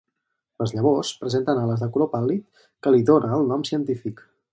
Les llavors presenten ales de color pàl·lid que li dóna el nom científic.